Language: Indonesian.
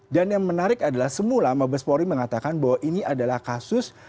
dan yang menarik adalah semula mabes polri mengatakan bahwa ini adalah kasus